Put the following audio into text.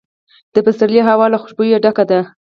د پسرلي هوا له خوشبویۍ ډکه ده.